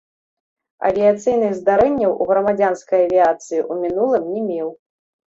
Авіяцыйных здарэнняў у грамадзянскай авіяцыі ў мінулым не меў.